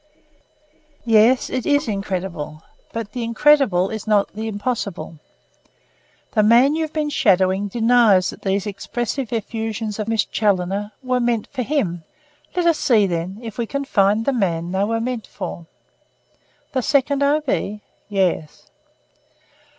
"Yes, it is incredible; but the incredible is not the impossible. The man you've been shadowing denies that these expressive effusions of Miss Challoner were meant for him. Let us see, then, if we can find the man they were meant for." "The second O. B.?" "Yes."